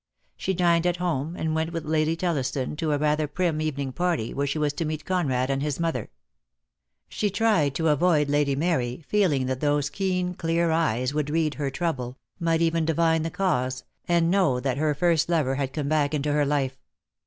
She dined at home, and went with Lady Thelliston to a rather prim evening party where she was to meet Conrad and his mother. 240 DEAD LOVE HAS CHAINS. She tried to avoid Lady Mary, feeling that those keen clear eyes would read her trouble, might even divine the cause, and know that her first lover had come back into her life.